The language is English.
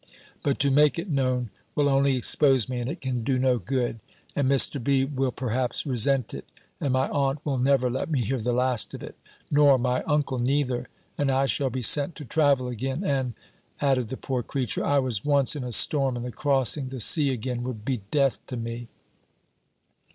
But to make it known, will only expose me, and it can do no good; and Mr. B. will perhaps resent it; and my aunt will never let me hear the last of it, nor my uncle neither And I shall be sent to travel again And" (added the poor creature) "I was once in a storm, and the crossing the sea again would be death to me."